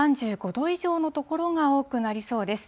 ３５度以上の所が多くなりそうです。